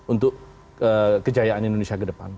untuk kejayaan indonesia ke depan